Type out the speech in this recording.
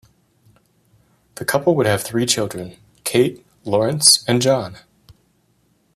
The couple would have three children: Kate, Laurence, and John.